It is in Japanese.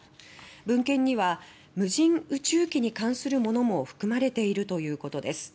文献には無人宇宙機に関するものも含まれているということです。